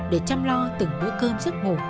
để chăm lo từng bữa cơm giấc ngủ